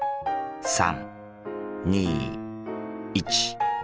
３２１。